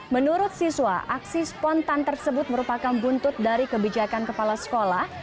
menurut siswa aksi spontan tersebut merupakan buntut dari kebijakan kepala sekolah